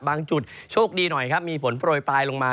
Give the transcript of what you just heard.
จุดโชคดีหน่อยครับมีฝนโปรยปลายลงมา